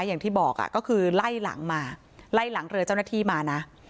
อย่างที่บอกก็คือไล่หลังมาไล่หลังเรือเจ้าหน้าที่มานะ